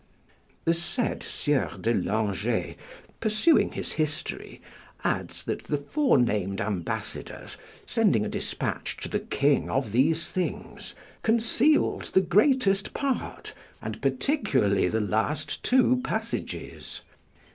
The said Sieur de Langey, pursuing his history, adds that the forenamed ambassadors, sending a despatch to the King of these things, concealed the greatest part, and particularly the last two passages.